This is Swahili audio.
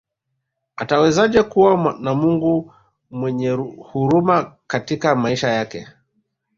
Atawezaje kuwa na Mungu mwenyehuruma katika maisha yake